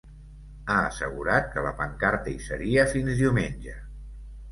Ha assegurat que la pancarta hi seria fins diumenge.